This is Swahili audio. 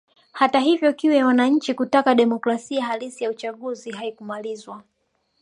Hata hivyo kiu ya wananchi kutaka demokrasia halisi ya uchaguzi haikumalizwa